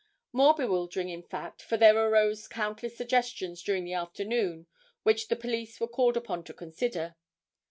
More bewildering in fact, for there arose countless suggestions during the afternoon which the police were called upon to consider.